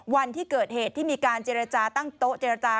วันที่เกิดเหตุที่มีการเจรจาตั้งโต๊ะเจรจา